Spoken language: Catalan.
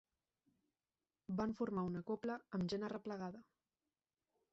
Van formar una cobla amb gent arreplegada.